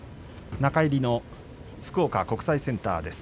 中入りの福岡国際センターです。